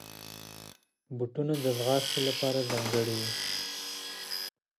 بوټونه د ځغاستې لپاره ځانګړي وي.